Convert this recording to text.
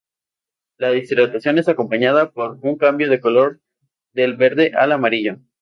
La deshidratación es acompañada por un cambio de color del verde al amarillo.